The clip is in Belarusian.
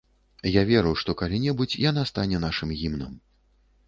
Я веру, што калі-небудзь яна стане нашым гімнам.